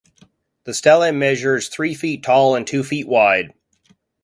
The stele measures three feet tall and two feet wide.